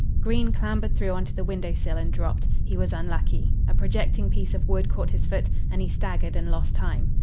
Green clambered through on to the window sill and dropped. He was unlucky. A projecting piece of wood caught his foot, and he staggered and lost time.